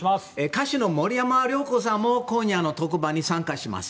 歌手の森山良子さんも今夜の特番に参加します。